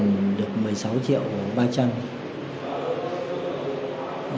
em có số tiền được một mươi sáu triệu ba trăm linh